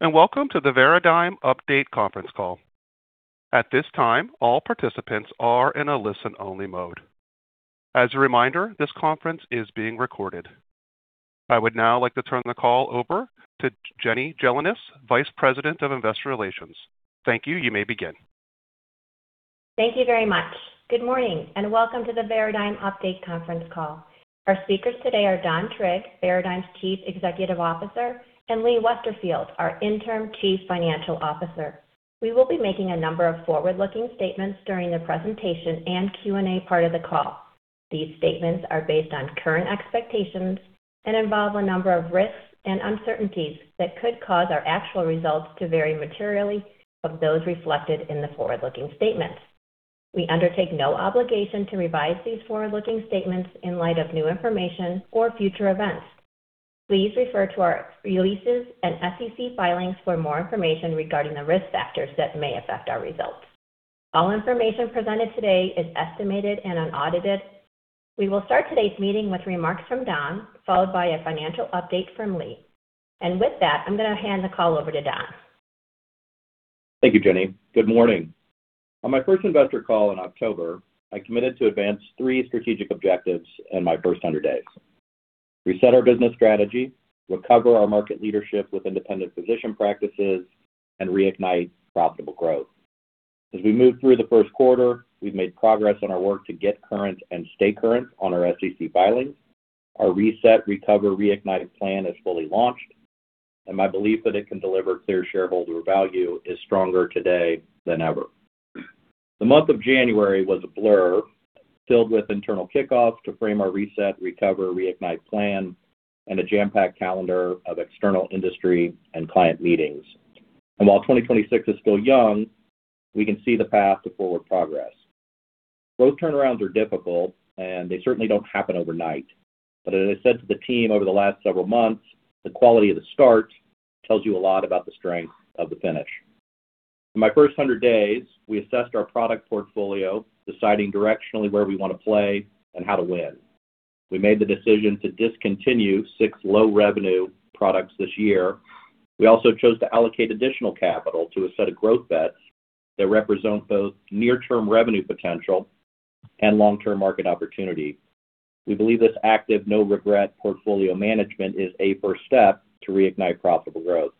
Welcome to the Veradigm Update Conference Call. At this time, all participants are in a listen-only mode. As a reminder, this conference is being recorded. I would now like to turn the call over to Jenny Gelinas, Vice President of Investor Relations. Thank you. You may begin. Thank you very much. Good morning, and welcome to the Veradigm Update Conference Call. Our speakers today are Don Trigg, Veradigm's Chief Executive Officer, and Lee Westerfield, our Interim Chief Financial Officer. We will be making a number of forward-looking statements during the presentation and Q&A part of the call. These statements are based on current expectations and involve a number of risks and uncertainties that could cause our actual results to vary materially from those reflected in the forward-looking statements. We undertake no obligation to revise these forward-looking statements in light of new information or future events. Please refer to our releases and SEC filings for more information regarding the risk factors that may affect our results. All information presented today is estimated and unaudited. We will start today's meeting with remarks from Don, followed by a financial update from Lee. With that, I'm going to hand the call over to Don. Thank you, Jenny. Good morning. On my first investor call in October, I committed to advance three strategic objectives in my first 100 days: reset our business strategy, recover our market leadership with independent physician practices, and reignite profitable growth. As we move through the first quarter, we've made progress on our work to get current and stay current on our SEC filings. Our Reset, Recover, Reignite plan is fully launched, and my belief that it can deliver clear shareholder value is stronger today than ever. The month of January was a blur, filled with internal kickoffs to frame our Reset, Recover, Reignite plan and a jam-packed calendar of external industry and client meetings. While 2026 is still young, we can see the path to forward progress. Growth turnarounds are difficult, and they certainly don't happen overnight. But as I said to the team over the last several months, the quality of the start tells you a lot about the strength of the finish. In my first 100 days, we assessed our product portfolio, deciding directionally where we want to play and how to win. We made the decision to discontinue six low-revenue products this year. We also chose to allocate additional capital to a set of growth bets that represent both near-term revenue potential and long-term market opportunity. We believe this active, no-regret portfolio management is a first step to reignite profitable growth.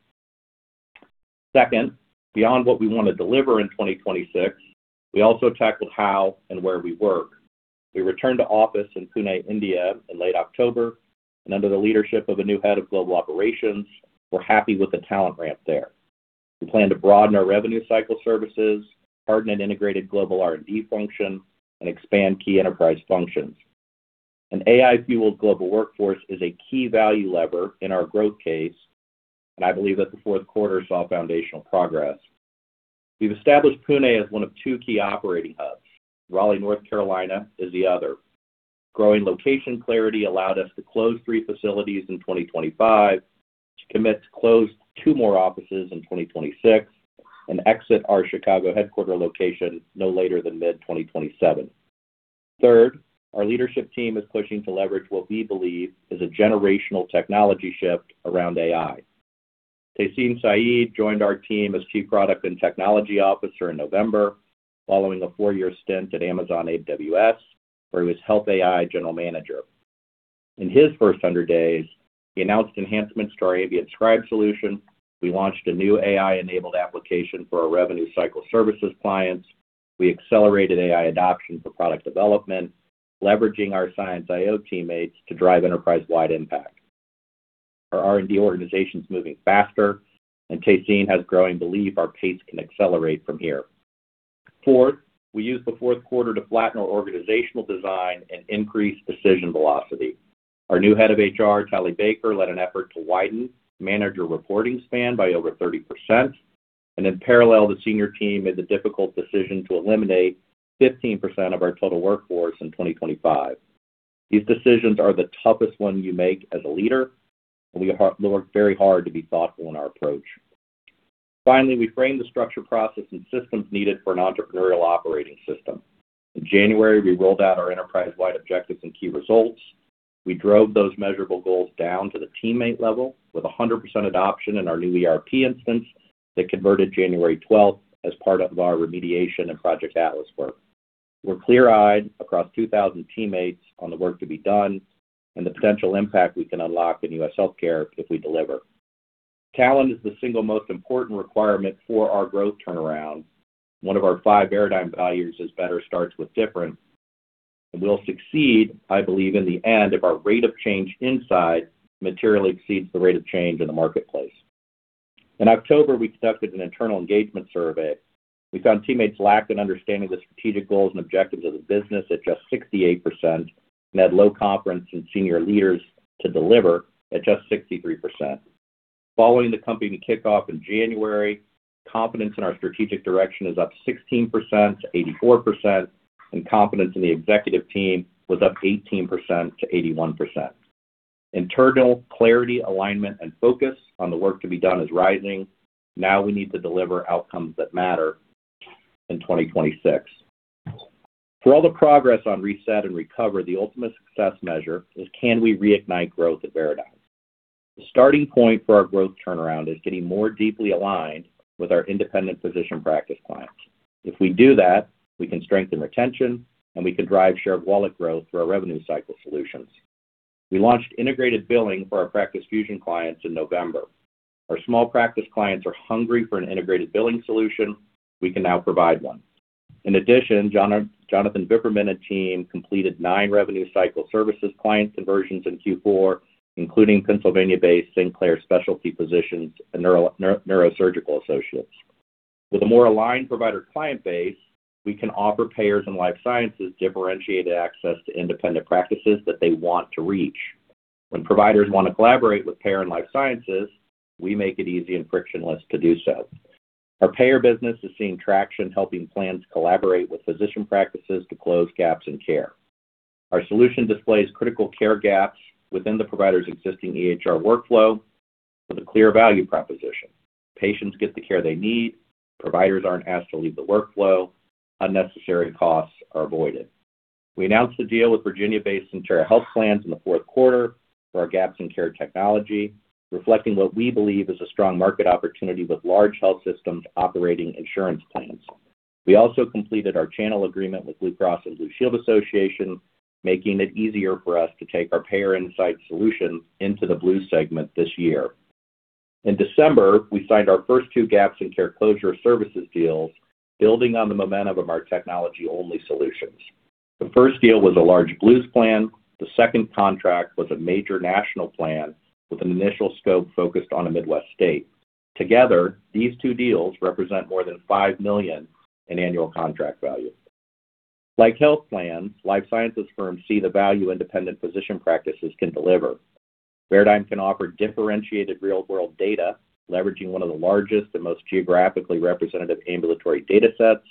Second, beyond what we want to deliver in 2026, we also tackled how and where we work. We returned to office in Pune, India, in late October, and under the leadership of a new head of global operations, we're happy with the talent ramp there. We plan to broaden our revenue cycle services, harden an integrated global R&D function, and expand key enterprise functions. An AI-fueled global workforce is a key value lever in our growth case, and I believe that the fourth quarter saw foundational progress. We've established Pune as one of two key operating hubs. Raleigh, North Carolina, is the other. Growing location clarity allowed us to close three facilities in 2025, to commit to close two more offices in 2026, and exit our Chicago headquarters location no later than mid-2027. Third, our leadership team is pushing to leverage what we believe is a generational technology shift around AI. Tehsin Syed joined our team as Chief Product and Technology Officer in November, following a four-year stint at Amazon AWS, where he was Health AI General Manager. In his first 100 days, he announced enhancements to our Ambient Scribe solution. We launched a new AI-enabled application for our revenue cycle services clients. We accelerated AI adoption for product development, leveraging our ScienceIO teammates to drive enterprise-wide impact. Our R&D organization is moving faster, and Tehsin has growing belief our pace can accelerate from here. Fourth, we used the fourth quarter to flatten our organizational design and increase decision velocity. Our new head of HR, Tally Baker, led an effort to widen manager reporting span by over 30%, and in parallel, the senior team made the difficult decision to eliminate 15% of our total workforce in 2025. These decisions are the toughest ones you make as a leader, and we worked very hard to be thoughtful in our approach. Finally, we framed the structure, process, and systems needed for an entrepreneurial operating system. In January, we rolled out our enterprise-wide objectives and key results. We drove those measurable goals down to the teammate level with 100% adoption in our new ERP instance that converted January 12 as part of our remediation and Project Atlas work. We're clear-eyed across 2,000 teammates on the work to be done and the potential impact we can unlock in U.S. healthcare if we deliver. Talent is the single most important requirement for our growth turnaround. One of our five Veradigm values is, "Better starts with different," and we'll succeed, I believe, in the end, if our rate of change inside materially exceeds the rate of change in the marketplace. In October, we conducted an internal engagement survey. We found teammates lacked an understanding of the strategic goals and objectives of the business at just 68% and had low confidence in senior leaders to deliver at just 63%. Following the company kickoff in January, confidence in our strategic direction is up 16%-84%, and confidence in the executive team was up 18%-81%. Internal clarity, alignment, and focus on the work to be done is rising. Now we need to deliver outcomes that matter in 2026.... For all the progress on reset and recover, the ultimate success measure is can we reignite growth at Veradigm? The starting point for our growth turnaround is getting more deeply aligned with our independent physician practice clients. If we do that, we can strengthen retention, and we can drive shared wallet growth through our revenue cycle solutions. We launched integrated billing for our Practice Fusion clients in November. Our small practice clients are hungry for an integrated billing solution. We can now provide one. In addition, John, Jonathan Vipperman and team completed nine revenue cycle services client conversions in Q4, including Pennsylvania-based St. Clair Specialty Physicians and Neurosurgical Associates. With a more aligned provider client base, we can offer payers and life sciences differentiated access to independent practices that they want to reach. When providers want to collaborate with payer and life sciences, we make it easy and frictionless to do so. Our payer business is seeing traction, helping plans collaborate with physician practices to close gaps in care. Our solution displays critical care gaps within the provider's existing EHR workflow with a clear value proposition. Patients get the care they need. Providers aren't asked to leave the workflow. Unnecessary costs are avoided. We announced a deal with Virginia-based Sentara Health Plans in the fourth quarter for our gaps in care technology, reflecting what we believe is a strong market opportunity with large health systems operating insurance plans. We also completed our channel agreement with Blue Cross and Blue Shield Association, making it easier for us to take our payer insight solutions into the Blue segment this year. In December, we signed our first two gaps in care closure services deals, building on the momentum of our technology-only solutions. The first deal was a large Blues plan. The second contract was a major national plan with an initial scope focused on a Midwest state. Together, these two deals represent more than $5 million in annual contract value. Like health plans, life sciences firms see the value independent physician practices can deliver. Veradigm can offer differentiated real-world data, leveraging one of the largest and most geographically representative ambulatory datasets.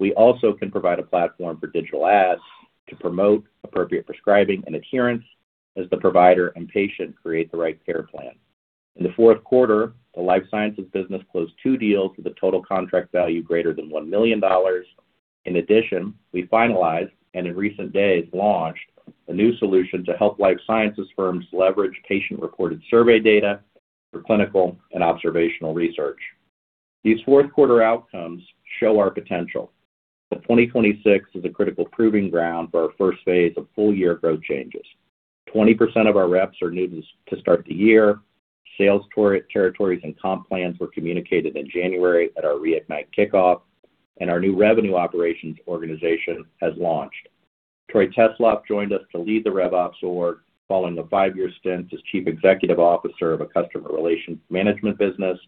We also can provide a platform for digital ads to promote appropriate prescribing and adherence as the provider and patient create the right care plan. In the fourth quarter, the life sciences business closed two deals with a total contract value greater than $1 million. In addition, we finalized, and in recent days, launched a new solution to help life sciences firms leverage patient-recorded survey data for clinical and observational research. These fourth quarter outcomes show our potential. But 2026 is a critical proving ground for our first phase of full-year growth changes. 20% of our reps are new to start the year. Sales territories and comp plans were communicated in January at our Reignite kickoff, and our new revenue operations organization has launched. Troy Teslof joined us to lead the Rev Ops org, following a five-year stint as Chief Executive Officer of a customer relations management business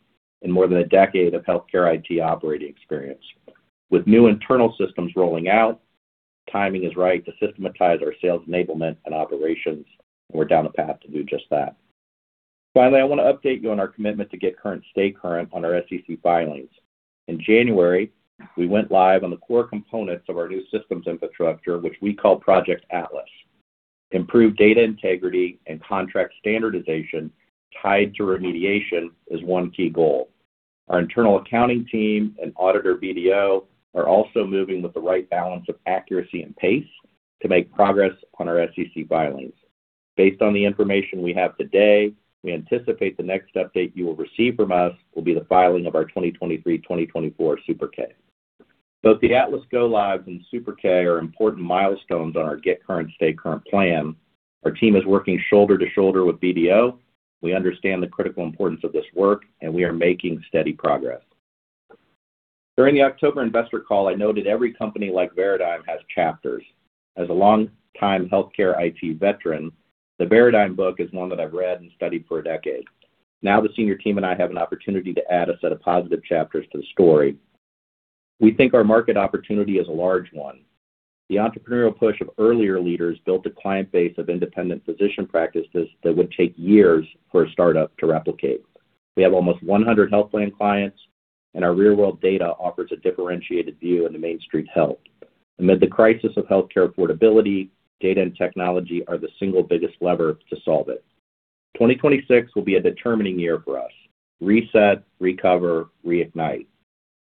and more than a decade of healthcare IT operating experience. With new internal systems rolling out, the timing is right to systematize our sales enablement and operations. We're down the path to do just that. Finally, I want to update you on our commitment to Get Current, Stay Current on our SEC filings. In January, we went live on the core components of our new systems infrastructure, which we call Project Atlas. Improved data integrity and contract standardization tied to remediation is one key goal. Our internal accounting team and auditor, BDO, are also moving with the right balance of accuracy and pace to make progress on our SEC filings. Based on the information we have today, we anticipate the next update you will receive from us will be the filing of our 2023/2024 Super K. Both the Atlas go-lives and Super K are important milestones on our Get Current, Stay Current plan. Our team is working shoulder to shoulder with BDO. We understand the critical importance of this work, and we are making steady progress. During the October investor call, I noted every company like Veradigm has chapters. As a long-time healthcare IT veteran, the Veradigm book is one that I've read and studied for a decade. Now, the senior team and I have an opportunity to add a set of positive chapters to the story. We think our market opportunity is a large one. The entrepreneurial push of earlier leaders built a client base of independent physician practices that would take years for a startup to replicate. We have almost 100 health plan clients, and our real-world data offers a differentiated view into Main Street health. Amid the crisis of healthcare affordability, data and technology are the single biggest lever to solve it. 2026 will be a determining year for us. Reset, recover, reignite.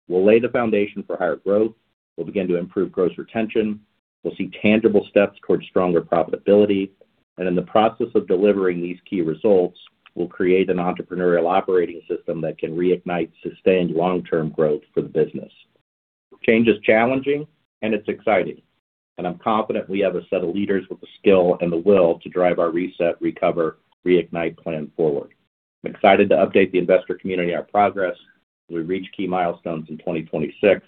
We'll lay the foundation for higher growth. We'll begin to improve gross retention. We'll see tangible steps towards stronger profitability. And in the process of delivering these key results, we'll create an entrepreneurial operating system that can reignite sustained long-term growth for the business. Change is challenging, and it's exciting, and I'm confident we have a set of leaders with the skill and the will to drive our reset, recover, reignite plan forward. I'm excited to update the investor community our progress as we reach key milestones in 2026.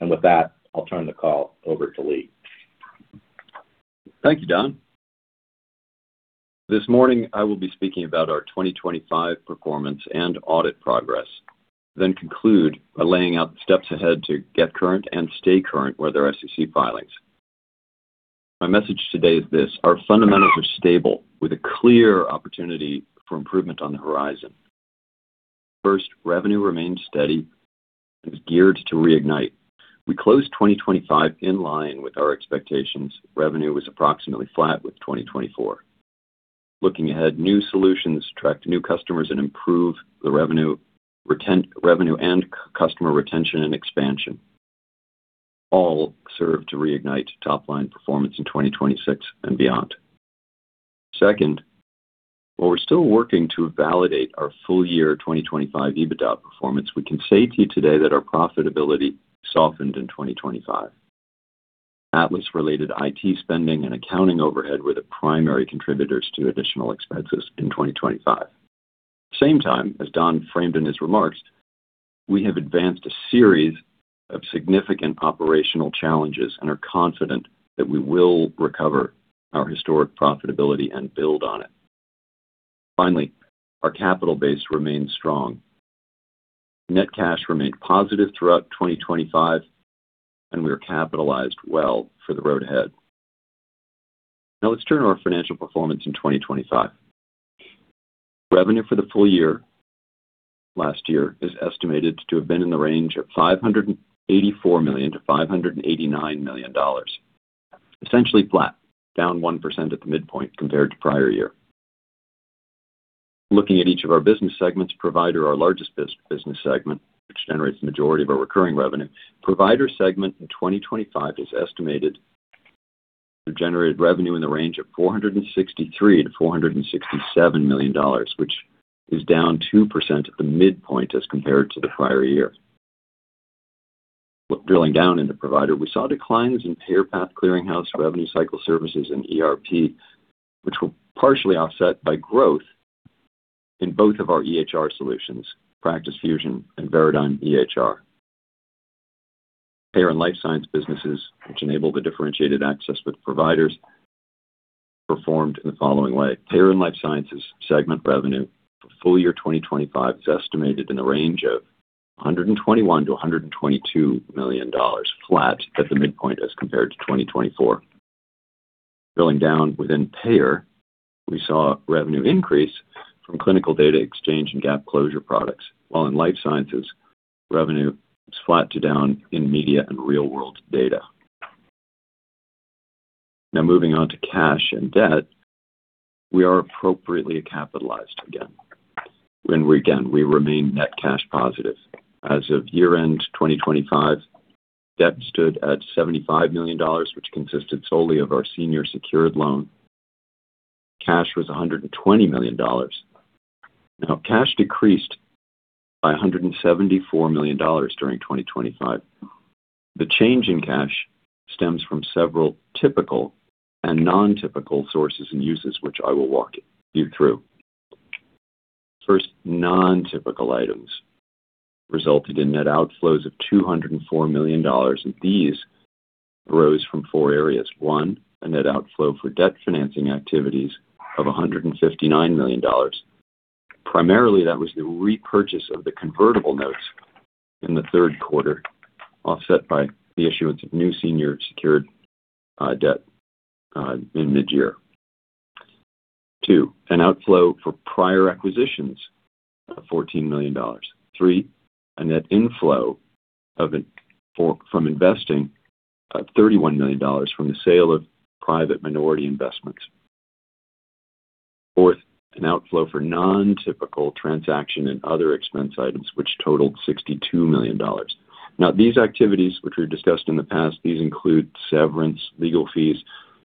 With that, I'll turn the call over to Lee. Thank you, Don. This morning, I will be speaking about our 2025 performance and audit progress, then conclude by laying out the steps ahead to get current and stay current with our SEC filings. My message today is this: Our fundamentals are stable, with a clear opportunity for improvement on the horizon. First, revenue remains steady and is geared to reignite. We closed 2025 in line with our expectations. Revenue was approximately flat with 2024. Looking ahead, new solutions attract new customers and improve the revenue, revenue, and customer retention and expansion. All serve to reignite top-line performance in 2026 and beyond. Second, while we're still working to validate our full year 2025 EBITDA performance, we can say to you today that our profitability softened in 2025. Atlas-related IT spending and accounting overhead were the primary contributors to additional expenses in 2025. same time, as Don framed in his remarks, we have advanced a series of significant operational challenges and are confident that we will recover our historic profitability and build on it. Finally, our capital base remains strong. Net cash remained positive throughout 2025, and we are capitalized well for the road ahead. Now let's turn to our financial performance in 2025. Revenue for the full year, last year, is estimated to have been in the range of $584 million-$589 million, essentially flat, down 1% at the midpoint compared to prior year. Looking at each of our business segments, Provider, our largest business segment, which generates the majority of our recurring revenue. Provider segment in 2025 is estimated to generate revenue in the range of $463 -$467 million, which is down 2% at the midpoint as compared to the prior year. Drilling down in the Provider, we saw declines in PayerPath, clearinghouse, revenue cycle services, and ERP, which were partially offset by growth in both of our EHR solutions, Practice Fusion and Veradigm EHR. Payer and Life Sciences businesses, which enable the differentiated access with providers, performed in the following way: Payer and Life Sciences segment revenue for full year 2025 is estimated in the range of $121-$122 million, flat at the midpoint as compared to 2024. Drilling down within Payer, we saw revenue increase from clinical data exchange and gap closure products, while in Life Sciences, revenue is flat to down in media and real-world data. Now moving on to cash and debt. We are appropriately capitalized again. Again, we remain net cash positive. As of year-end 2025, debt stood at $75 million, which consisted solely of our senior secured loan. Cash was $120 million. Now, cash decreased by $174 million during 2025. The change in cash stems from several typical and non-typical sources and uses, which I will walk you through. First, non-typical items resulted in net outflows of $204 million, and these arose from four areas. One, a net outflow for debt financing activities of $159 million. Primarily, that was the repurchase of the convertible notes in the third quarter, offset by the issuance of new senior secured debt in mid-year. Two, an outflow for prior acquisitions of $14 million. Three, a net inflow from investing of $31 million from the sale of private minority investments. Fourth, an outflow for non-typical transaction and other expense items, which totaled $62 million. Now, these activities, which we've discussed in the past, these include severance, legal fees,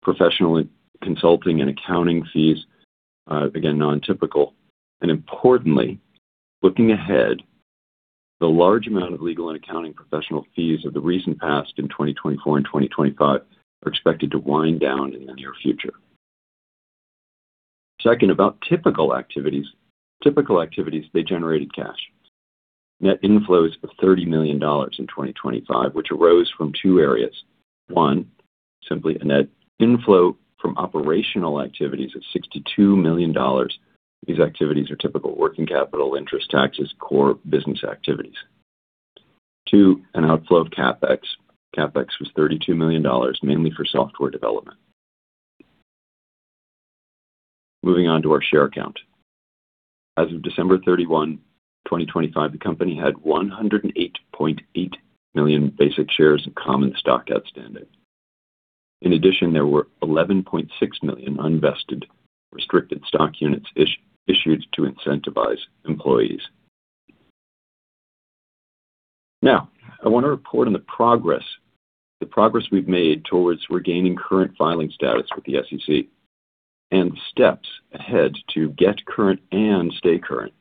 professional and consulting and accounting fees, again, non-typical. And importantly, looking ahead, the large amount of legal and accounting professional fees of the recent past in 2024 and 2025 are expected to wind down in the near future. Second, about typical activities. Typical activities, they generated cash. Net inflows of $30 million in 2025, which arose from two areas. One, simply a net inflow from operational activities of $62 million. These activities are typical working capital, interest, taxes, core business activities. Two, an outflow of CapEx. CapEx was $32 million, mainly for software development. Moving on to our share count. As of December 31, 2025, the company had 108.8 million basic shares of common stock outstanding. In addition, there were 11.6 million unvested restricted stock units issued to incentivize employees. Now, I want to report on the progress, the progress we've made towards regaining current filing status with the SEC and steps ahead to get current and stay current.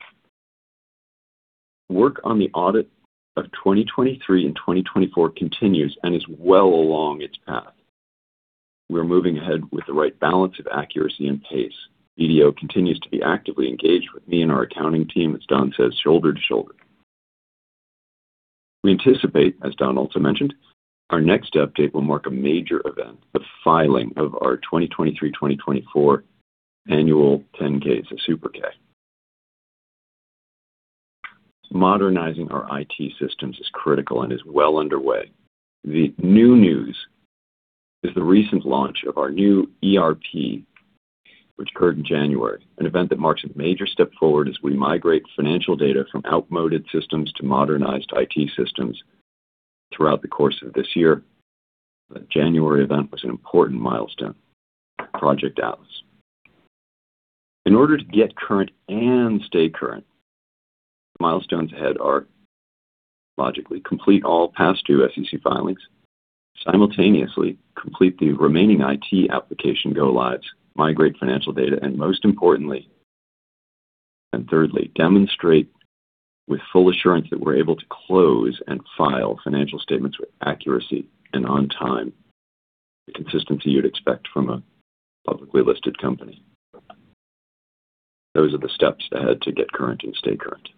Work on the audit of 2023 and 2024 continues and is well along its path. We're moving ahead with the right balance of accuracy and pace. BDO continues to be actively engaged with me and our accounting team, as Don says, "Shoulder to shoulder." We anticipate, as Don also mentioned, our next update will mark a major event, the filing of our 2023/2024 annual 10-K's, a Super K. Modernizing our IT systems is critical and is well underway. The new news is the recent launch of our new ERP, which occurred in January, an event that marks a major step forward as we migrate financial data from outmoded systems to modernized IT systems. ... throughout the course of this year, the January event was an important milestone for Project Atlas. In order to get current and stay current, milestones ahead are, logically, complete all past two SEC filings, simultaneously complete the remaining IT application go-lives, migrate financial data, and most importantly, and thirdly, demonstrate with full assurance that we're able to close and file financial statements with accuracy and on time. The consistency you'd expect from a publicly listed company. Those are the steps ahead to get current and stay current.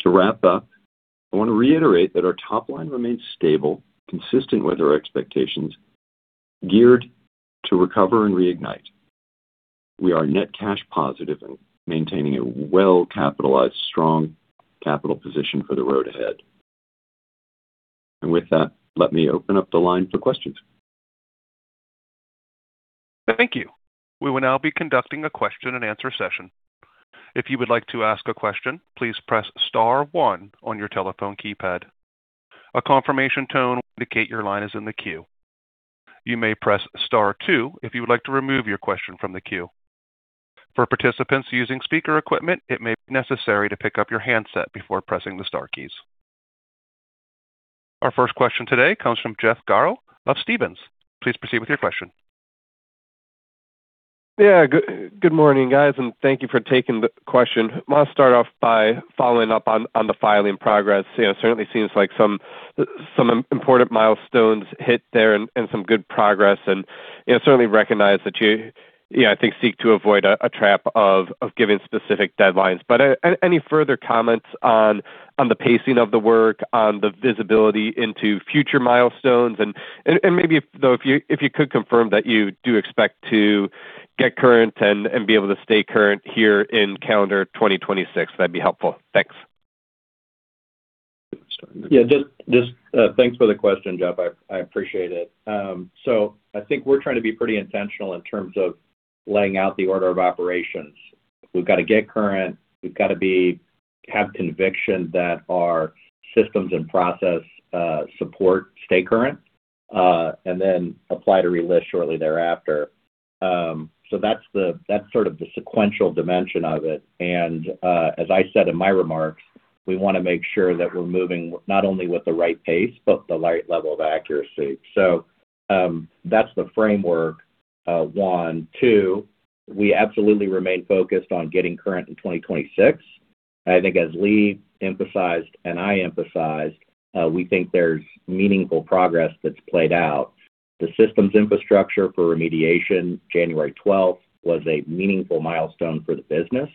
To wrap up, I want to reiterate that our top line remains stable, consistent with our expectations, geared to recover and reignite. We are net cash positive and maintaining a well-capitalized, strong capital position for the road ahead. And with that, let me open up the line for questions. Thank you. We will now be conducting a question and answer session. If you would like to ask a question, please press star one on your telephone keypad. A confirmation tone will indicate your line is in the queue. You may press star two if you would like to remove your question from the queue. For participants using speaker equipment, it may be necessary to pick up your handset before pressing the star keys. Our first question today comes from Jeff Garro of Stephens. Please proceed with your question. Yeah, good morning, guys, and thank you for taking the question. I want to start off by following up on the filing progress. You know, it certainly seems like some important milestones hit there and some good progress and, you know, certainly recognize that you know, I think, seek to avoid a trap of giving specific deadlines. But any further comments on the pacing of the work, on the visibility into future milestones? And maybe, though, if you could confirm that you do expect to get current and be able to stay current here in calendar 2026, that'd be helpful. Thanks. Yeah, just thanks for the question, Jeff. I appreciate it. So I think we're trying to be pretty intentional in terms of laying out the order of operations. We've got to get current, we've got to have conviction that our systems and process support stay current, and then apply to relist shortly thereafter. So that's the, that's sort of the sequential dimension of it. And, as I said in my remarks, we want to make sure that we're moving not only with the right pace, but the right level of accuracy. So, that's the framework, one, two, we absolutely remain focused on getting current in 2026. I think as Lee emphasized and I emphasized, we think there's meaningful progress that's played out. The systems infrastructure for remediation, January twelfth, was a meaningful milestone for the business,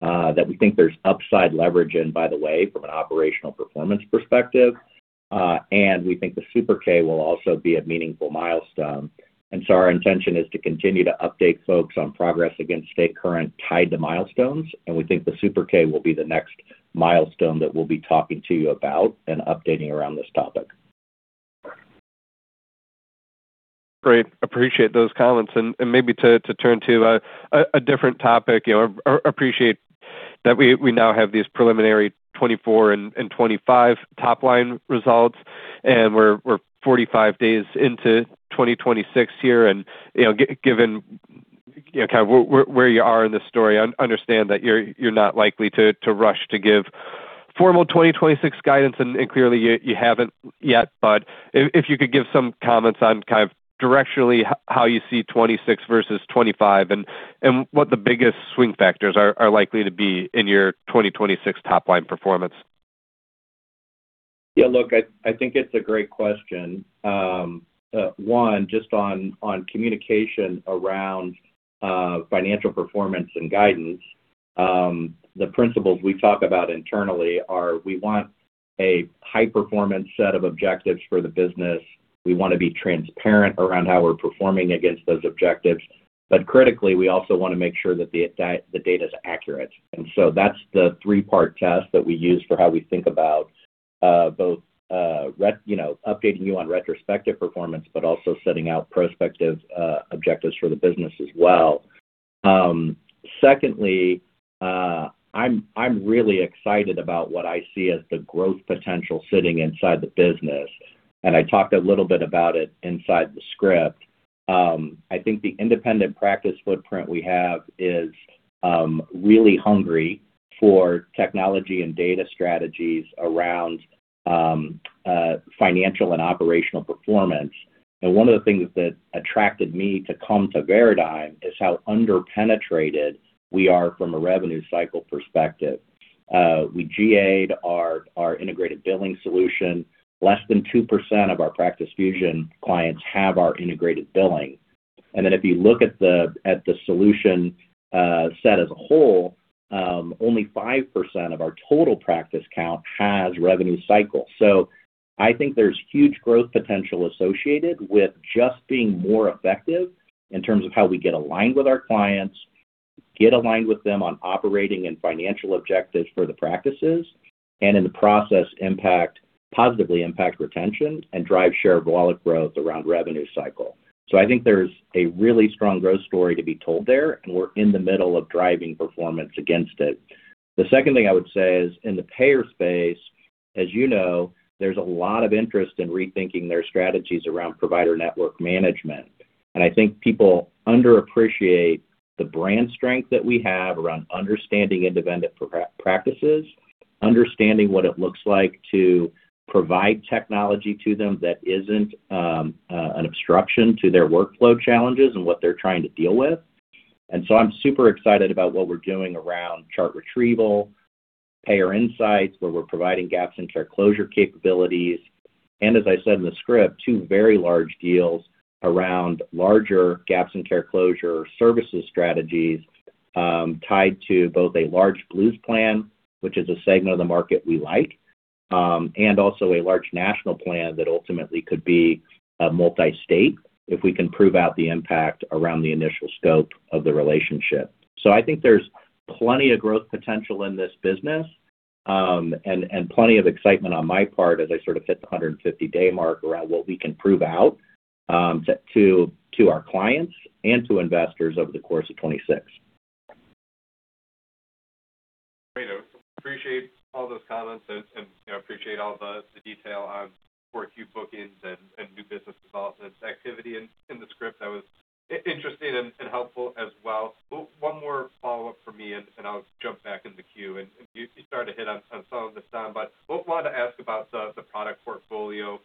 that we think there's upside leverage in, by the way, from an operational performance perspective. And we think the Super K will also be a meaningful milestone. And so our intention is to continue to update folks on progress against stay current, tied to milestones, and we think the Super K will be the next milestone that we'll be talking to you about and updating around this topic. Great. Appreciate those comments. And maybe to turn to a different topic. You know, appreciate that we now have these preliminary 2024 and 2025 top line results, and we're 45 days into 2026 here. And you know, given you know, kind of where you are in this story, I understand that you're not likely to rush to give formal 2026 guidance, and clearly you haven't yet. But if you could give some comments on kind of directionally how you see 2026 versus 2025 and what the biggest swing factors are likely to be in your 2026 top line performance. Yeah, look, I think it's a great question. One, just on communication around financial performance and guidance. The principles we talk about internally are we want a high-performance set of objectives for the business. We want to be transparent around how we're performing against those objectives. But critically, we also want to make sure that the data is accurate. And so that's the three-part test that we use for how we think about both, you know, updating you on retrospective performance, but also setting out prospective objectives for the business as well. Secondly, I'm really excited about what I see as the growth potential sitting inside the business, and I talked a little bit about it inside the script. I think the independent practice footprint we have is really hungry for technology and data strategies around financial and operational performance. And one of the things that attracted me to come to Veradigm is how underpenetrated we are from a revenue cycle perspective. We GA'd our integrated billing solution. Less than 2% of our Practice Fusion clients have our integrated billing. And then if you look at the solution set as a whole, only 5% of our total practice count has revenue cycle. So I think there's huge growth potential associated with just being more effective in terms of how we get aligned with our clients, get aligned with them on operating and financial objectives for the practices, and in the process, positively impact retention and drive share of wallet growth around revenue cycle. I think there's a really strong growth story to be told there, and we're in the middle of driving performance against it. The second thing I would say is in the payer space. As you know, there's a lot of interest in rethinking their strategies around provider network management. I think people underappreciate the brand strength that we have around understanding independent practices, understanding what it looks like to provide technology to them that isn't an obstruction to their workflow challenges and what they're trying to deal with. I'm super excited about what we're doing around chart retrieval, Payer Insights, where we're providing gaps in care closure capabilities, and as I said in the script, two very large deals around larger gaps in care closure services strategies, tied to both a large Blues plan, which is a segment of the market we like, and also a large national plan that ultimately could be multi-state, if we can prove out the impact around the initial scope of the relationship. So I think there's plenty of growth potential in this business, and plenty of excitement on my part as I sort of hit the 150 day mark around what we can prove out to our clients and to investors over the course of 2026. Great. I appreciate all those comments and, you know, appreciate all the detail on Q4 bookings and new business development activity in the script. That was interesting and helpful as well. One more follow-up for me, and I'll jump back in the queue, and you started to hit on some of this, Don, but what I wanted to ask about the product portfolio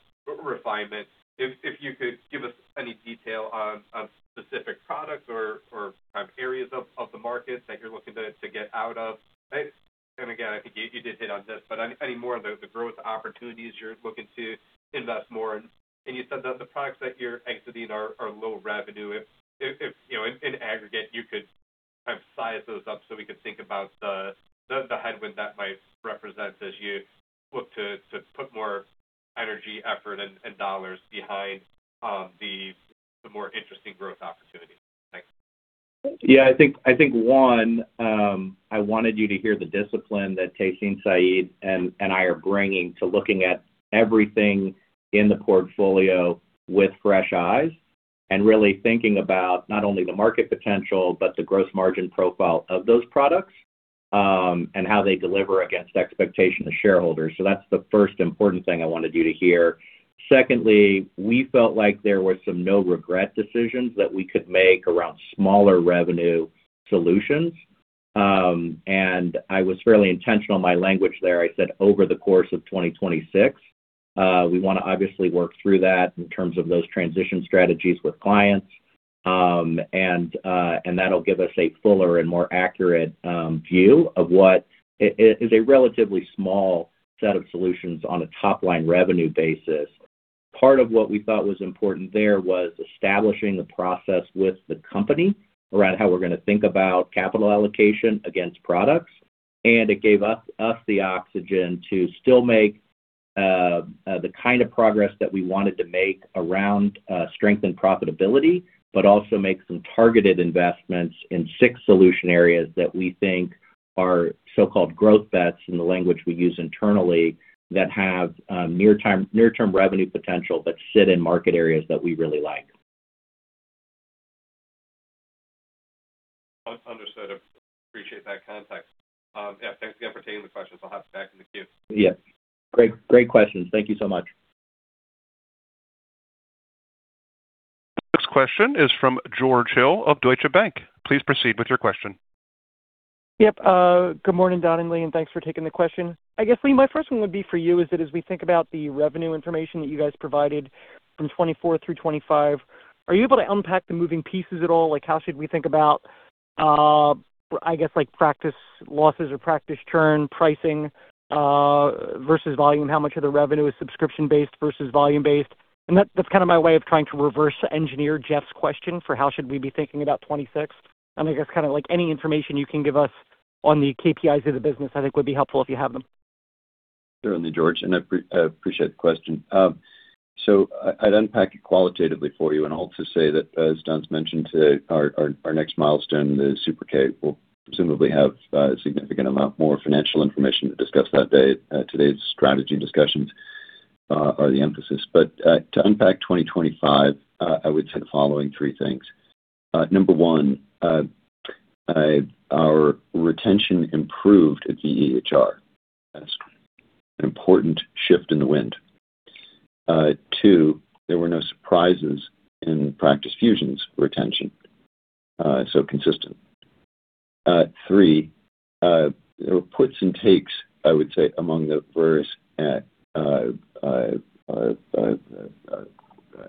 refinement. If you could give us any detail on specific products or kind of areas of the market that you're looking to get out of. And again, I think you did hit on this, but any more of the growth opportunities you're looking to invest more in? And you said that the products that you're exiting are low revenue. If you know, in aggregate, you could kind of size those up so we could think about the headwind that might represent as you look to put more energy, effort, and dollars behind the more interesting growth opportunities. Thanks. Yeah, I think one, I wanted you to hear the discipline that Tehsin Syed and I are bringing to looking at everything in the portfolio with fresh eyes and really thinking about not only the market potential, but the gross margin profile of those products, and how they deliver against the expectation of shareholders. So that's the first important thing I wanted you to hear. Secondly, we felt like there were some no-regret decisions that we could make around smaller revenue solutions. I was fairly intentional in my language there. I said over the course of 2026. We want to obviously work through that in terms of those transition strategies with clients. And that'll give us a fuller and more accurate view of what is a relatively small set of solutions on a top-line revenue basis. Part of what we thought was important there was establishing the process with the company around how we're going to think about capital allocation against products. And it gave us the oxygen to still make the kind of progress that we wanted to make around strength and profitability, but also make some targeted investments in six solution areas that we think are so-called growth bets, in the language we use internally, that have near-term revenue potential, but sit in market areas that we really like. Understood. Appreciate that context. Yeah, thanks again for taking the questions. I'll hop back in the queue. Yeah. Great, great questions. Thank you so much. Next question is from George Hill of Deutsche Bank. Please proceed with your question. Yep. Good morning, Don and Lee, and thanks for taking the question. I guess, Lee, my first one would be for you, is that as we think about the revenue information that you guys provided from 2024 through 2025, are you able to unpack the moving pieces at all? Like, how should we think about, I guess, like, practice losses or practice turn pricing, versus volume? How much of the revenue is subscription-based versus volume-based? And that's kind of my way of trying to reverse engineer Jeff's question for how should we be thinking about 2026. And I guess kind of like any information you can give us on the KPIs of the business, I think would be helpful if you have them. Certainly, George, I appreciate the question. So I'd unpack it qualitatively for you and also say that, as Don's mentioned today, our next milestone, the Super K, will presumably have a significant amount more financial information to discuss that day. Today's strategy discussions are the emphasis. But to unpack 2025, I would say the following three things. Number one, our retention improved at the EHR. That's an important shift in the wind. Two, there were no surprises in Practice Fusion's retention, so consistent. Three, there were puts and takes, I would say, among the various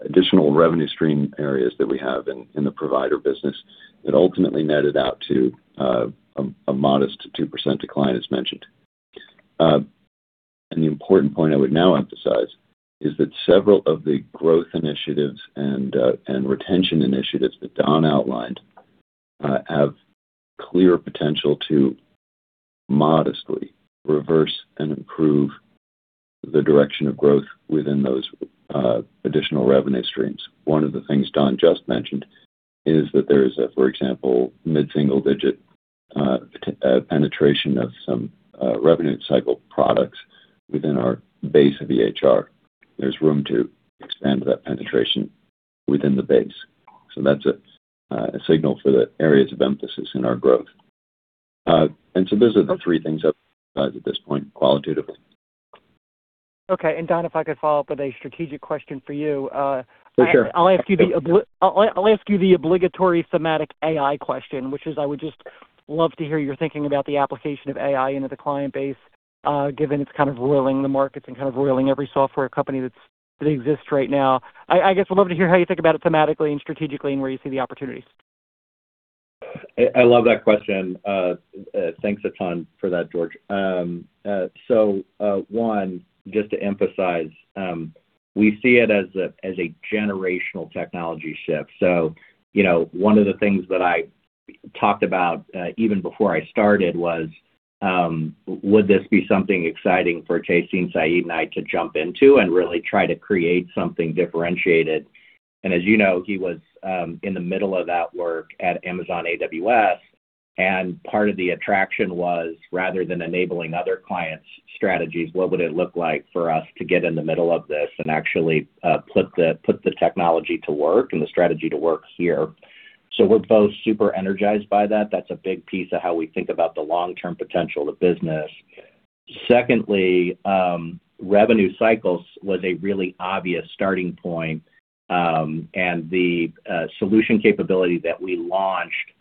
additional revenue stream areas that we have in the provider business that ultimately netted out to a modest 2% decline, as mentioned. And the important point I would now emphasize is that several of the growth initiatives and retention initiatives that Don outlined have clear potential to modestly reverse and improve the direction of growth within those additional revenue streams. One of the things Don just mentioned is that there is, for example, mid-single digit penetration of some revenue cycle products within our base of EHR. There's room to expand that penetration within the base. So that's a signal for the areas of emphasis in our growth. And so those are the three things I've at this point, qualitatively. Okay. Don, if I could follow up with a strategic question for you, Sure. I'll ask you the obligatory thematic AI question, which is, I would just love to hear your thinking about the application of AI into the client base, given it's kind of roiling the markets and kind of roiling every software company that exists right now. I guess I'd love to hear how you think about it thematically and strategically and where you see the opportunities. I love that question. Thanks a ton for that, George. So, one, just to emphasize, we see it as a generational technology shift. So, you know, one of the things that I talked about, even before I started was, would this be something exciting for Tehsin Syed and I to jump into and really try to create something differentiated? And as you know, he was in the middle of that work at Amazon AWS, and part of the attraction was, rather than enabling other clients' strategies, what would it look like for us to get in the middle of this and actually put the technology to work and the strategy to work here? So we're both super energized by that. That's a big piece of how we think about the long-term potential of the business. Secondly, revenue cycles was a really obvious starting point, and the solution capability that we launched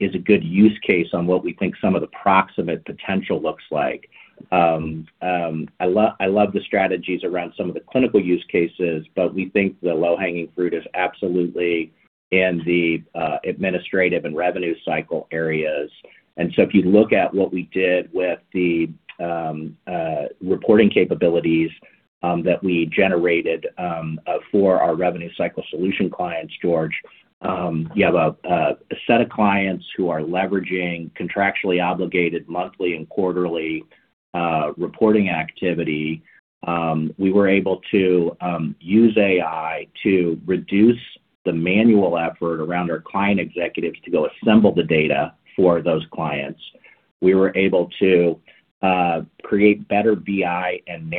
is a good use case on what we think some of the proximate potential looks like. I love the strategies around some of the clinical use cases, but we think the low-hanging fruit is absolutely in the administrative and revenue cycle areas. And so if you look at what we did with the reporting capabilities that we generated for our revenue cycle solution clients, George, you have a set of clients who are leveraging contractually obligated monthly and quarterly reporting activity. We were able to use AI to reduce the manual effort around our client executives to go assemble the data for those clients. We were able to create better BI and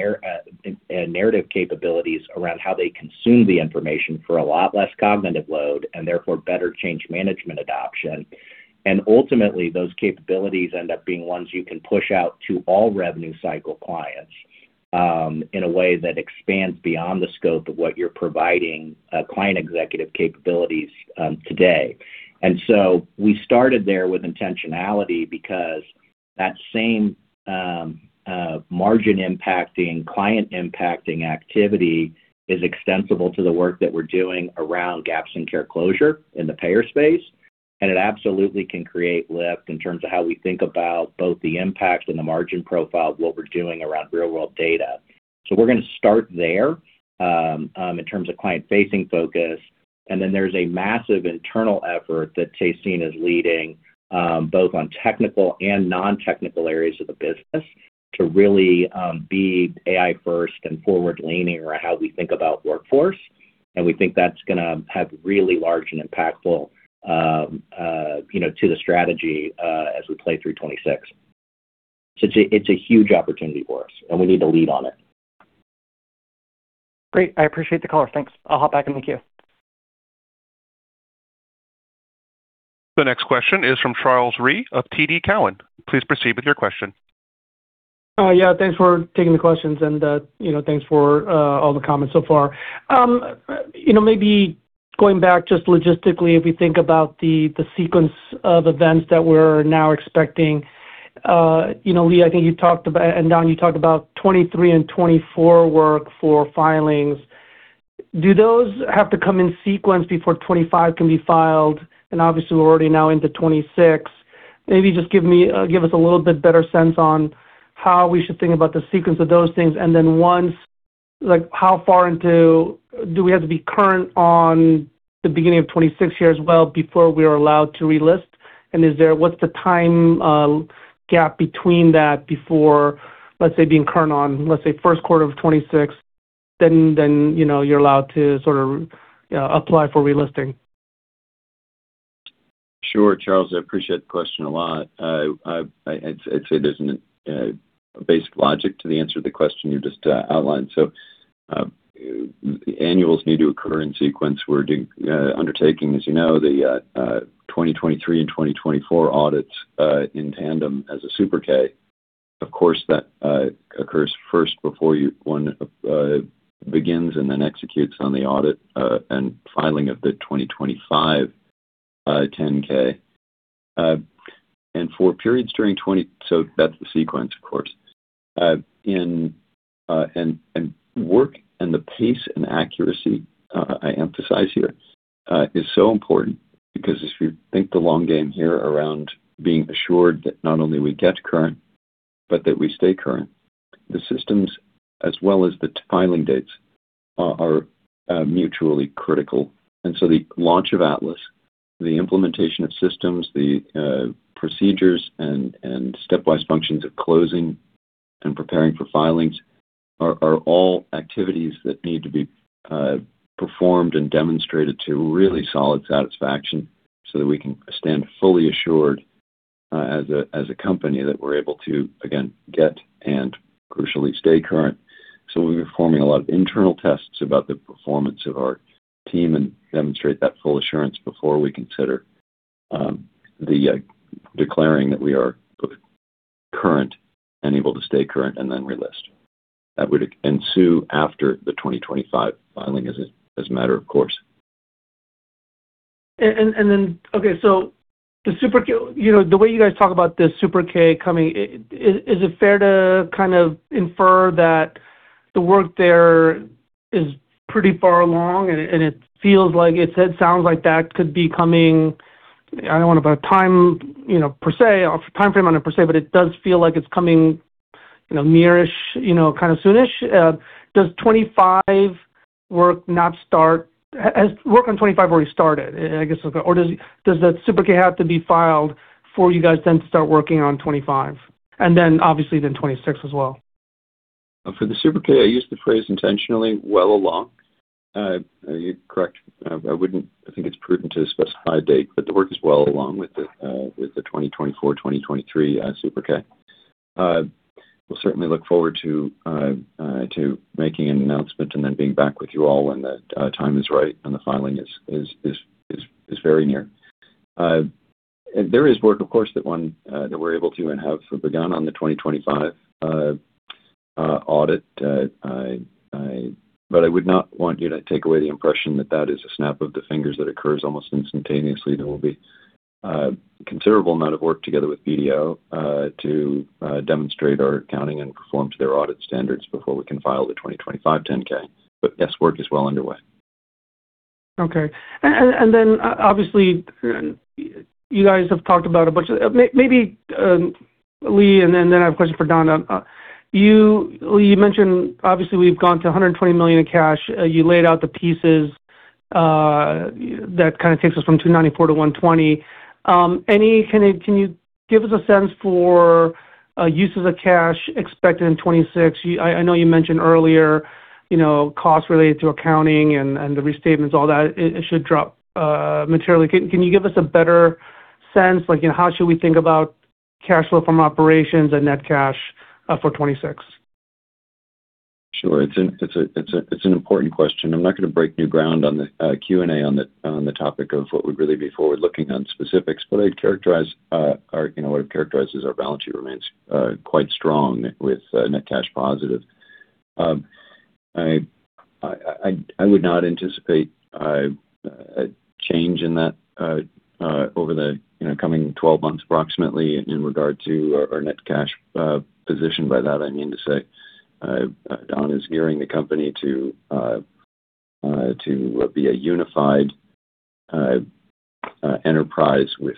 narrative capabilities around how they consume the information for a lot less cognitive load and therefore better change management adoption. And ultimately, those capabilities end up being ones you can push out to all revenue cycle clients, in a way that expands beyond the scope of what you're providing client executive capabilities, today. And so we started there with intentionality because that same margin-impacting, client-impacting activity is extensible to the work that we're doing around gaps in care closure in the payer space, and it absolutely can create lift in terms of how we think about both the impact and the margin profile of what we're doing around real-world data. So we're gonna start there, in terms of client-facing focus, and then there's a massive internal effort that Tehsin is leading, both on technical and non-technical areas of the business, to really be AI first and forward-leaning around how we think about workforce, and we think that's gonna have really large and impactful, you know, to the strategy, as we play through 2026. So it's a huge opportunity for us, and we need to lead on it. Great, I appreciate the color. Thanks. I'll hop back in the queue. The next question is from Charles Rhyee of TD Cowen. Please proceed with your question. Yeah, thanks for taking the questions and, you know, thanks for, all the comments so far. You know, maybe going back just logistically, if you think about the, the sequence of events that we're now expecting, you know, Lee, I think you talked about, and Don, you talked about 2023 and 2024 work for filings. Do those have to come in sequence before 2025 can be filed? And obviously, we're already now into 2026. Maybe just give me, give us a little bit better sense on how we should think about the sequence of those things. And then once, like, how far into... Do we have to be current on the beginning of 2026 here as well, before we are allowed to relist? Is there—what's the time gap between that before, let's say, being current on, let's say, first quarter of 2026, then, then, you know, you're allowed to sort of apply for relisting? Sure, Charles, I appreciate the question a lot. I'd say there's an basic logic to the answer to the question you just outlined. So, annuals need to occur in sequence. We're undertaking, as you know, the 2023 and 2024 audits in tandem as a Super K. Of course, that occurs first before one begins and then executes on the audit and filing of the 2025 10-K. And for periods during twenty... So that's the sequence, of course. And work and the pace and accuracy, I emphasize here, is so important because if you think the long game here around being assured that not only we get current, but that we stay current, the systems, as well as the filing dates, are mutually critical. And so the launch of Atlas, the implementation of systems, the procedures and stepwise functions of closing and preparing for filings are all activities that need to be performed and demonstrated to really solid satisfaction so that we can stand fully assured as a company that we're able to, again, get and crucially stay current. So we'll be performing a lot of internal tests about the performance of our team and demonstrate that full assurance before we consider the declaring that we are current and able to stay current and then relist. That would ensue after the 2025 filing as a matter of course. Okay, so the Super K, you know, the way you guys talk about this Super K coming, is it fair to kind of infer that the work there is pretty far along, and it feels like it's... It sounds like that could be coming. I don't want to put a time, you know, per se, or timeframe on it per se, but it does feel like it's coming, you know, near-ish, you know, kind of soon-ish. Does 25 work not start? Has work on 25 already started, I guess? Or does that Super K have to be filed for you guys then to start working on 25 and then obviously then 26 as well? For the Super K, I used the phrase intentionally well along. You're correct. I wouldn't think it's prudent to specify a date, but the work is well along with the 2024, 2023 Super K. We'll certainly look forward to making an announcement and then being back with you all when the time is right and the filing is very near. There is work, of course, that we're able to and have begun on the 2025 audit. But I would not want you to take away the impression that that is a snap of the fingers that occurs almost instantaneously. There will be a considerable amount of work together with BDO to demonstrate our accounting and perform to their audit standards before we can file the 2025 10-K. But yes, work is well underway. Okay. And then obviously, you guys have talked about a bunch of... Maybe, Lee, and then I have a question for Don. You, Lee, you mentioned obviously we've gone to $120 million in cash. You laid out the pieces that kind of takes us from $294 million to $120 million. Anyway, can you give us a sense for uses of cash expected in 2026? I know you mentioned earlier, you know, costs related to accounting and the restatements, all that, it should drop materially. Can you give us a better sense, like, you know, how should we think about cash flow from operations and net cash for 2026? Sure. It's an important question. I'm not going to break new ground on the Q&A on the topic of what would really be forward-looking on specifics, but I'd characterize our, you know, what I'd characterize is our balance sheet remains quite strong with net cash positive. I would not anticipate a change in that over the, you know, coming 12 months, approximately, in regard to our net cash position. By that I mean to say, Don is gearing the company to be a unified enterprise with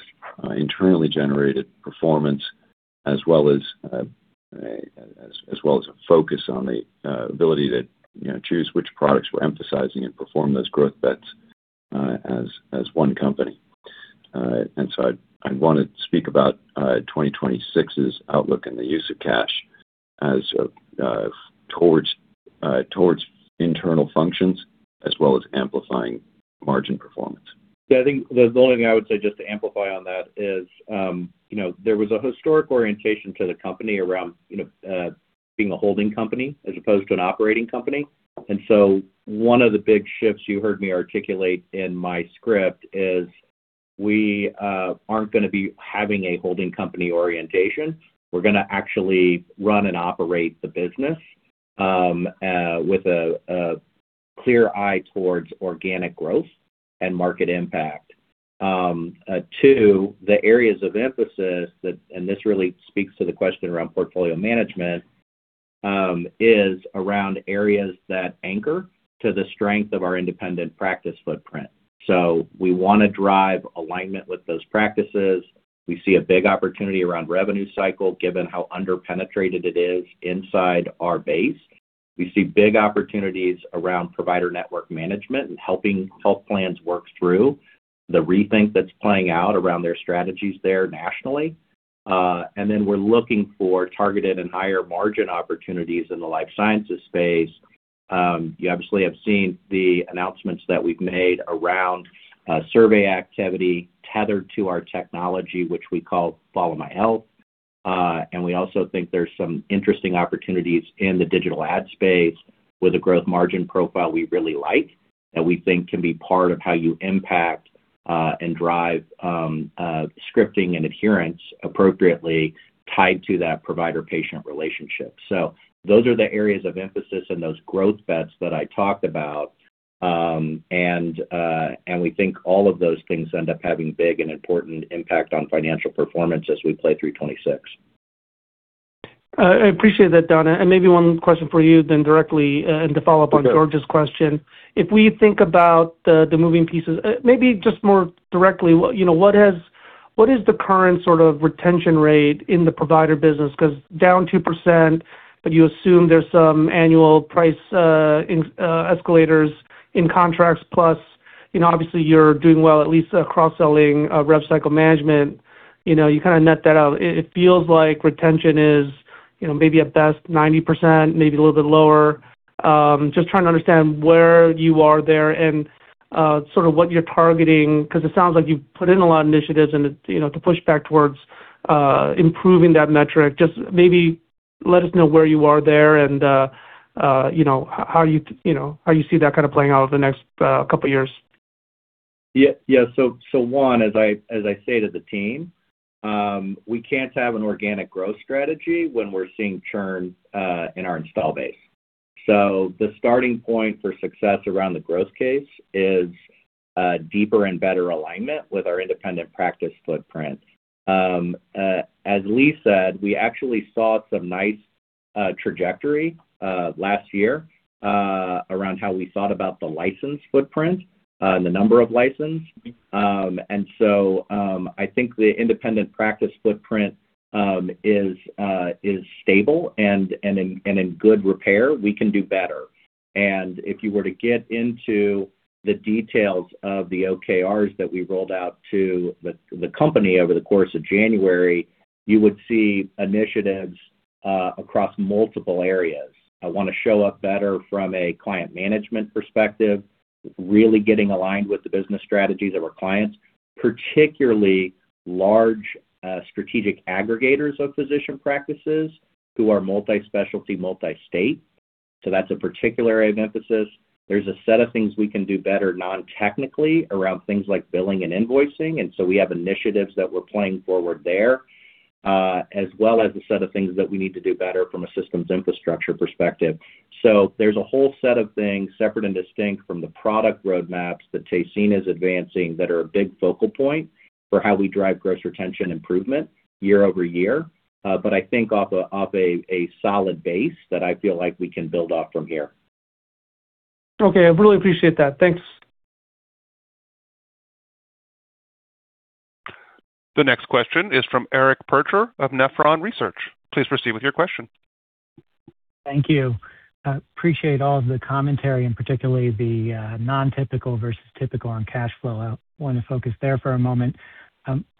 internally generated performance, as well as a focus on the ability to, you know, choose which products we're emphasizing and perform those growth bets as one company. And so I'd want to speak about 2026's outlook and the use of cash as towards internal functions as well as amplifying margin performance. Yeah, I think the only thing I would say, just to amplify on that is, you know, there was a historic orientation to the company around, you know, being a holding company as opposed to an operating company. And so one of the big shifts you heard me articulate in my script is we aren't gonna be having a holding company orientation. We're gonna actually run and operate the business, with a clear eye towards organic growth and market impact. Too, the areas of emphasis that, and this really speaks to the question around portfolio management, is around areas that anchor to the strength of our independent practice footprint. So we want to drive alignment with those practices. We see a big opportunity around revenue cycle, given how underpenetrated it is inside our base. We see big opportunities around provider network management and helping health plans work through the rethink that's playing out around their strategies there nationally. And then we're looking for targeted and higher margin opportunities in the life sciences space. You obviously have seen the announcements that we've made around survey activity tethered to our technology, which we call FollowMyHealth. And we also think there's some interesting opportunities in the digital ad space with a growth margin profile we really like, that we think can be part of how you impact and drive scripting and adherence appropriately tied to that provider-patient relationship. So those are the areas of emphasis and those growth bets that I talked about. And we think all of those things end up having big and important impact on financial performance as we play through 2026. I appreciate that, Don. And maybe one question for you then directly, and to follow up on- Okay. - George's question. If we think about the moving pieces, maybe just more directly, what, you know, what has—what is the current sort of retention rate in the provider business? Because down 2%, but you assume there's some annual price in escalators in contracts. Plus, you know, obviously you're doing well, at least cross-selling rev cycle management, you know, you kind of net that out. It feels like retention is, you know, maybe at best 90%, maybe a little bit lower. Just trying to understand where you are there and sort of what you're targeting, because it sounds like you've put in a lot of initiatives and, you know, to push back towards improving that metric. Just maybe let us know where you are there and, you know, how you see that kind of playing out over the next couple of years. Yeah. Yeah. So, so one, as I, as I say to the team, we can't have an organic growth strategy when we're seeing churn in our install base. So the starting point for success around the growth case is deeper and better alignment with our independent practice footprint. As Lee said, we actually saw some nice trajectory last year around how we thought about the license footprint, the number of license. And so, I think the independent practice footprint is stable and in good repair. We can do better. And if you were to get into the details of the OKRs that we rolled out to the company over the course of January, you would see initiatives across multiple areas. I want to show up better from a client management perspective, really getting aligned with the business strategies of our clients, particularly large, strategic aggregators of physician practices who are multi-specialty, multi-state. So that's a particular area of emphasis. There's a set of things we can do better, non-technically, around things like billing and invoicing, and so we have initiatives that we're playing forward there, as well as a set of things that we need to do better from a systems infrastructure perspective. So there's a whole set of things separate and distinct from the product roadmaps that Tehsin is advancing, that are a big focal point for how we drive gross retention improvement year over year. But I think off a solid base that I feel like we can build off from here. Okay, I really appreciate that. Thanks. The next question is from Eric Percher of Nephron Research. Please proceed with your question. Thank you. I appreciate all of the commentary and particularly the non-typical versus typical on cash flow. I want to focus there for a moment.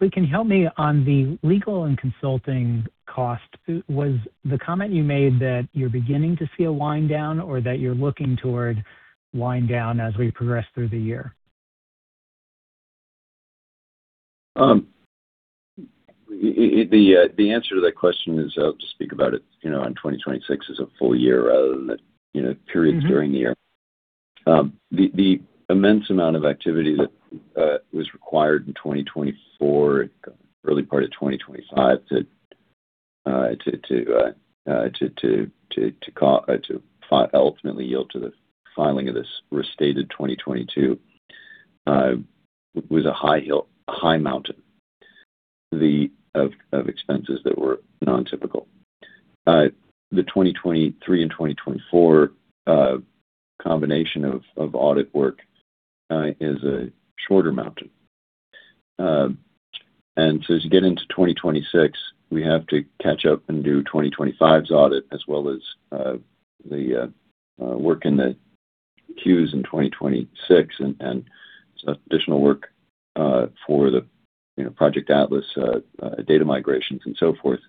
Lee, can you help me on the legal and consulting cost? Was the comment you made that you're beginning to see a wind down or that you're looking toward wind down as we progress through the year? The answer to that question is, I'll just speak about it, you know, on 2026 is a full year rather than, you know, periods during the year. The immense amount of activity that was required in 2024, early part of 2025, to ultimately yield to the filing of this restated 2022, was a high hill, a high mountain. The expenses that were non-typical. The 2023 and 2024 combination of audit work is a shorter mountain. And so as you get into 2026, we have to catch up and do 2025's audit, as well as the work in the queues in 2026, and additional work for the, you know, Project Atlas data migrations and so forth,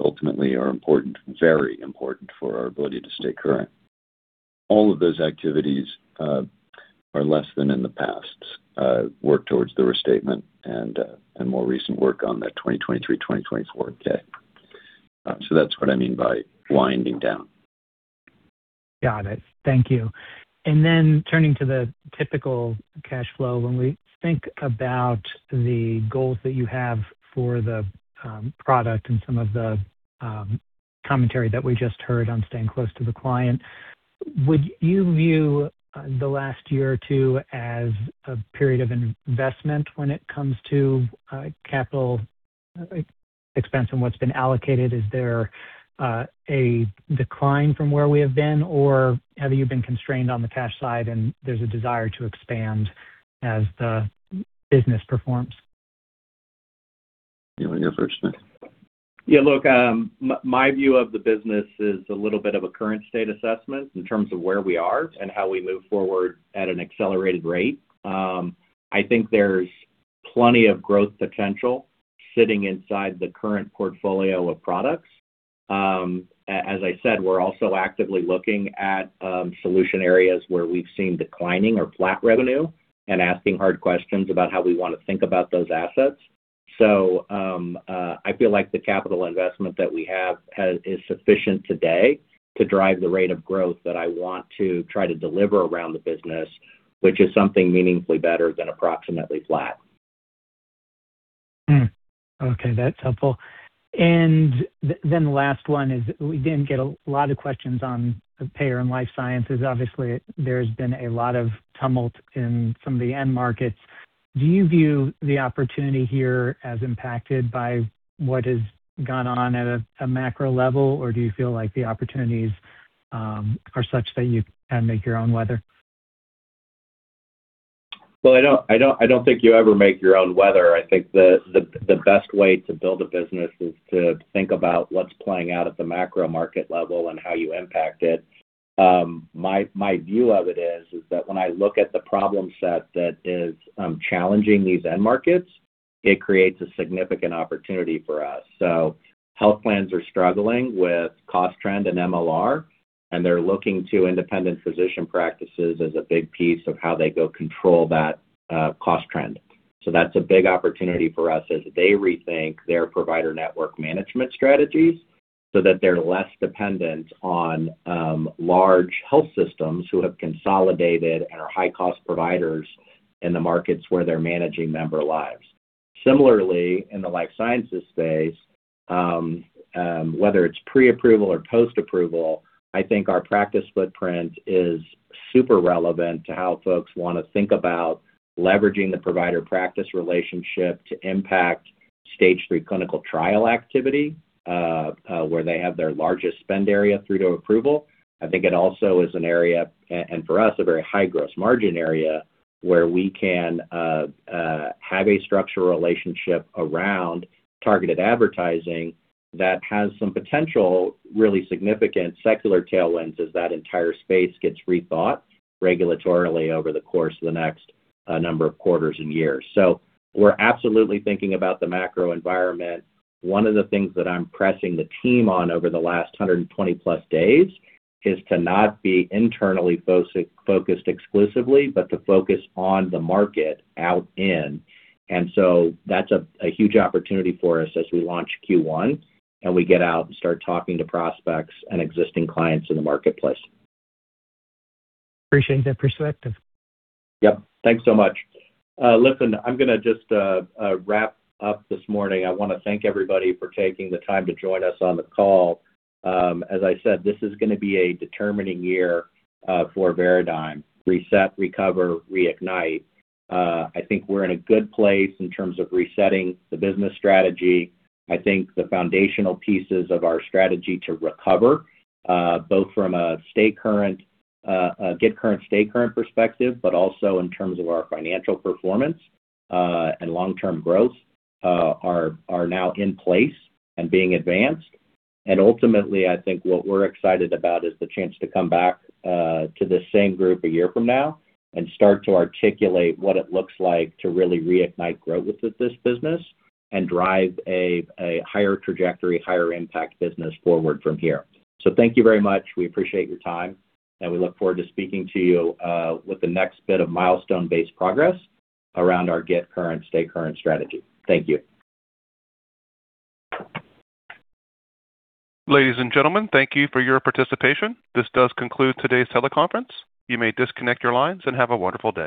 ultimately are important, very important for our ability to stay current. All of those activities are less than in the past, work towards the restatement and, and more recent work on that 2023, 2024 10-K. So that's what I mean by winding down. Got it. Thank you. And then turning to the typical cash flow, when we think about the goals that you have for the product and some of the commentary that we just heard on staying close to the client, would you view the last year or two as a period of investment when it comes to capital expense and what's been allocated? Is there a decline from where we have been, or have you been constrained on the cash side and there's a desire to expand as the business performs? Yeah, I guess I'll explain. Yeah, look, my view of the business is a little bit of a current state assessment in terms of where we are and how we move forward at an accelerated rate. I think there's plenty of growth potential sitting inside the current portfolio of products. As I said, we're also actively looking at solution areas where we've seen declining or flat revenue and asking hard questions about how we want to think about those assets. So, I feel like the capital investment that we have is sufficient today to drive the rate of growth that I want to try to deliver around the business, which is something meaningfully better than approximately flat. Hmm. Okay, that's helpful. And then the last one is, we didn't get a lot of questions on the payer and life sciences. Obviously, there's been a lot of tumult in some of the end markets. Do you view the opportunity here as impacted by what has gone on at a macro level, or do you feel like the opportunities are such that you kind of make your own weather? Well, I don't, I don't, I don't think you ever make your own weather. I think the best way to build a business is to think about what's playing out at the macro market level and how you impact it. My view of it is that when I look at the problem set that is challenging these end markets, it creates a significant opportunity for us. So health plans are struggling with cost trend and MLR, and they're looking to independent physician practices as a big piece of how they go control that cost trend. So that's a big opportunity for us as they rethink their provider network management strategies, so that they're less dependent on large health systems who have consolidated and are high-cost providers in the markets where they're managing member lives. Similarly, in the life sciences space, whether it's pre-approval or post-approval, I think our practice footprint is super relevant to how folks want to think about leveraging the provider-practice relationship to impact stage 3 clinical trial activity, where they have their largest spend area through to approval. I think it also is an area, and for us, a very high gross margin area, where we can have a structural relationship around targeted advertising that has some potential, really significant secular tailwinds as that entire space gets rethought regulatorily over the course of the next number of quarters and years. So we're absolutely thinking about the macro environment. One of the things that I'm pressing the team on over the last 120+ days is to not be internally focused exclusively, but to focus on the market out in. That's a huge opportunity for us as we launch Q1, and we get out and start talking to prospects and existing clients in the marketplace. Appreciate that perspective. Yep. Thanks so much. Listen, I'm gonna just wrap up this morning. I want to thank everybody for taking the time to join us on the call. As I said, this is gonna be a determining year for Veradigm. Reset, recover, reignite. I think we're in a good place in terms of resetting the business strategy. I think the foundational pieces of our strategy to recover both from a stay current get current, stay current perspective, but also in terms of our financial performance and long-term growth are now in place and being advanced. Ultimately, I think what we're excited about is the chance to come back to this same group a year from now and start to articulate what it looks like to really reignite growth with this business and drive a higher trajectory, higher impact business forward from here. So thank you very much. We appreciate your time, and we look forward to speaking to you with the next bit of milestone-based progress around our get current, stay current strategy. Thank you. Ladies and gentlemen, thank you for your participation. This does conclude today's teleconference. You may disconnect your lines, and have a wonderful day.